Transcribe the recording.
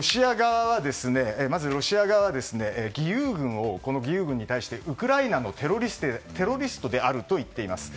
まずロシア側は義勇軍に対してウクライナのテロリストであると言っています。